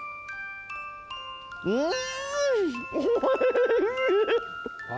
うん！